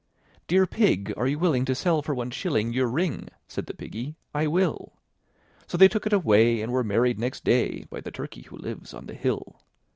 III. "Dear Pig, are you willing to sell for one shilling Your ring?" Said the Piggy, "I will." So they took it away, and were married next day By the Turkey who lives on the hill.